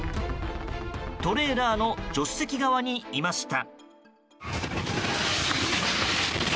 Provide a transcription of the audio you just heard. トレーラーの助手席側にいました。